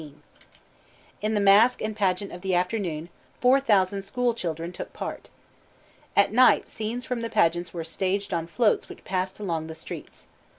In the masque and pageant of the afternoon four thousand school children took part. At night scenes from the pageant were staged on floats which passed along the streets.